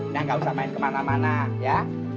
nah gak usah main kemana mana ya